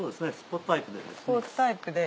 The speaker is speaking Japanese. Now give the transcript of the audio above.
スポーツタイプで。